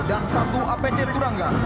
dan satu apc turangga